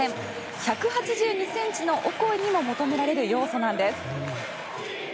１８２ｃｍのオコエにも求められる要素なんです。